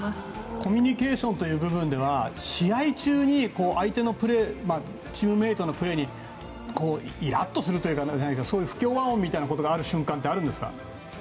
コミュニケーションという部分では試合中に相手のチームメートのプレーにイラッとするというかそういう不協和音みたいなことがある瞬間はあるんですか？